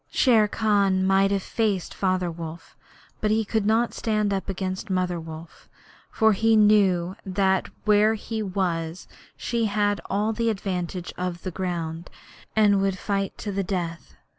Shere Khan might have faced Father Wolf, but he could not stand up against Mother Wolf, for he knew that where he was she had all the advantage of the ground, and would fight to the death.